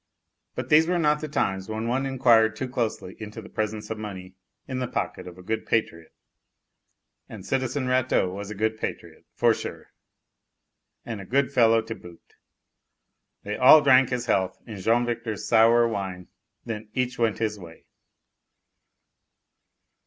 But these were not the times when one inquired too closely into the presence of money in the pocket of a good patriot. And citizen Rateau was a good patriot, for sure. And a good fellow to boot! They all drank his health in Jean Victor's sour wine; then each went his way.